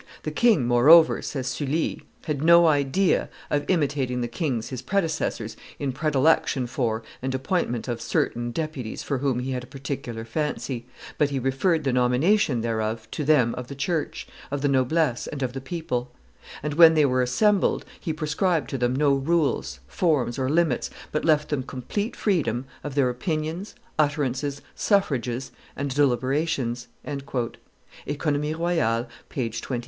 "The king, moreover," says Sully, "had no idea of imitating the kings his predecessors in predilection for, and appointment of, certain deputies for whom he had a particular fancy; but he referred the nomination thereof to them of the church, of the noblesse, and of the people; and when they were assembled, he prescribed to them no rules, forms, or limits, but left them complete freedom of their opinions, utterances, suffrages, and deliberations." [OEconomies royales, t. iii.